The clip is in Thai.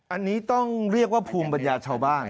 อันนี้ต้องเรียกว่าภูมิปัญญาชาวบ้าน